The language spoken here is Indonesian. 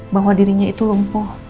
bahwa dirinya itu lumpuh